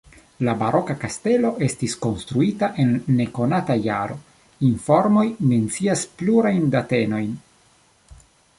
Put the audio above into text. La baroka kastelo estis konstruita en nekonata jaro, informoj mencias plurajn datenojn.